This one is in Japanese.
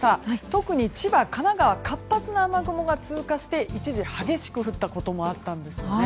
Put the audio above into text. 特に千葉、神奈川活発な雨雲が通過して一時激しく降ったこともあったんです。